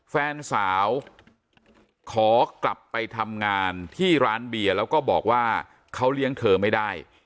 แฟนสาวขอกลับไปทำงานที่ร้านเบียร์แล้วก็บอกว่าเขาเลี้ยงเธอไม่ได้